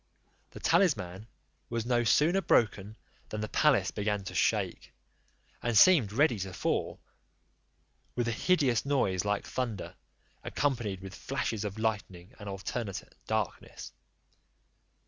The talisman was no sooner broken than the palace began to shake, and seemed ready to fall, with a hideous noise like thunder, accompanied with flashes of lightning, and alternate darkness.